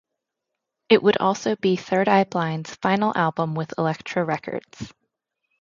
It would also be Third Eye Blind's final album with Elektra Records.